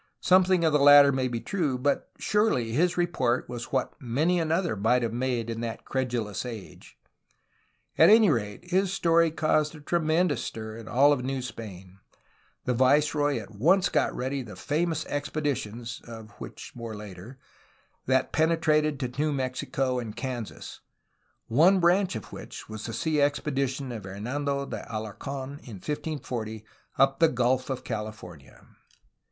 Something of the latter may be true, but, surely, his report was what many another might have made in that credulous age. At any rate, his story caused a tremendous stir in all New Spain. The viceroy at once got ready the famous expeditions (of which, later) that penetrated to New Mexico and Kansas, one branch of which was the sea expedition of Hernando de Alarc6n, in 1540, up the Gulf of California.